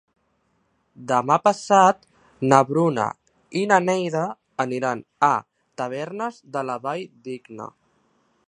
Demà passat na Bruna i na Neida aniran a Tavernes de la Valldigna.